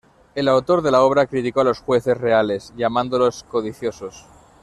El autor de la obra criticó a los jueces reales, llamándolos codiciosos.